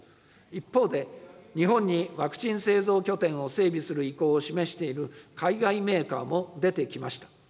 一方で、日本にワクチン製造拠点を整備する意向を示している海外メーカーも出てきました。